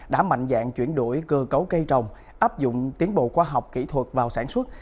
đã mạnh dạng chuyển đổi cơ cấu cây trồng áp dụng tiến bộ khoa học kỹ thuật vào sản xuất